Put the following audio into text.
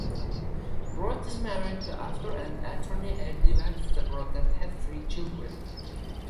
Brott is married to author and attorney Ardyth Webster Brott and has three children.